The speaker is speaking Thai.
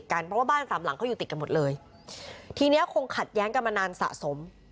เค้ื่อโสนย๊าวหลังสักพี่แม่ย่าเสี่ยพ่อพูดกับลูกซองเอ้ย